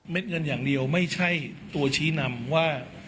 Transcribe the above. เงินอย่างเดียวไม่ใช่ตัวชี้นำว่า